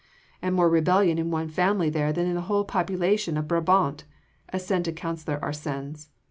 "And more rebellion in one family there than in the whole of the population of Brabant," assented Councillor Arsens.